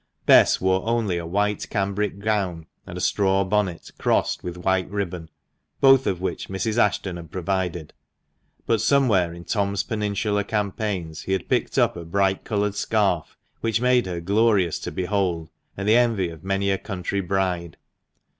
Bess wore only a white cambric gown, and a straw bonnet crossed with white ribbon, both of which Mrs. Ashton had provided; but somewhere in Tom's Peninsular campaigns he had picked up a bright coloured scarf, which made her glorious to behold, and the envy of many a country bride.